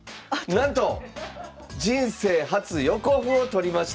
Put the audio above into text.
なんと人生初横歩を取りました。